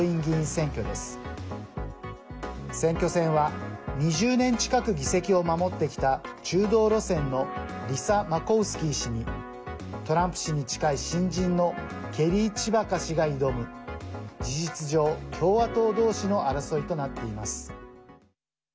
選挙戦は、２０年近く議席を守ってきた中道路線のリサ・マコウスキー氏にトランプ氏に近い新人のケリー・チバカ氏が挑み事実上、共和党同士の争いとなっています。